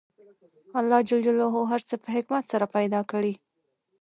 الله ج هر څه په حکمت سره پیدا کړي